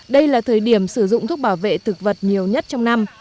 đây là thời điểm sử dụng thuốc bảo vệ thực vật nhiều nhất trong năm